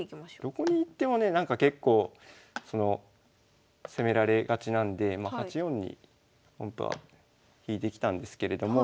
どこに行ってもねなんか結構攻められがちなんでまあ８四にほんとは引いてきたんですけれども。